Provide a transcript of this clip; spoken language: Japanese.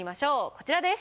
こちらです。